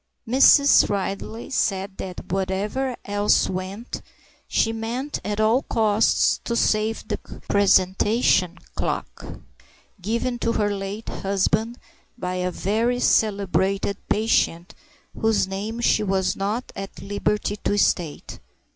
Mrs. Ridley said that whatever else went, she meant at all costs to save the presentation clock given to her late husband by a very celebrated patient, whose name she was not at liberty to state.